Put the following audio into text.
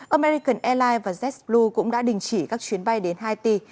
american airlines và jesbur cũng đã đình chỉ các chuyến bay đến haiti